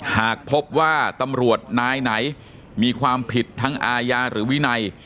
หากพบว่าตำรวจนายไหนมีความผิดทั้งอาญาหรือวินัย